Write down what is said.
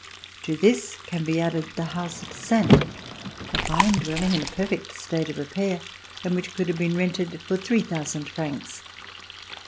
To this can be added the house at Saintes, a fine dwelling in a perfect state of repair, and which could have been rented for 3,000 francs.